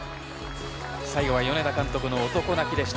最後は米田監督の男泣きでした。